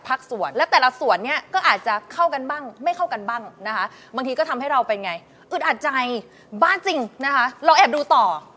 อุดอัดใจบ้าจริงเราแอบดูต่อ